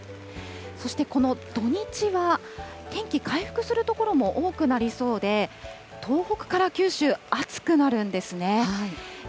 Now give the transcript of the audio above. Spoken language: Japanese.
そしてこの土日は、天気回復する所も多くなりそうで、東北から九州、暑くなるんですね。